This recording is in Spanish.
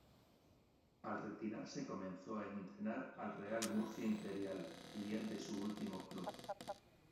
Al retirarse comenzó a entrenar al Real Murcia Imperial, filial de su último club.